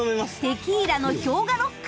テキーラの氷河ロック。